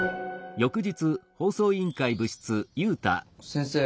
先生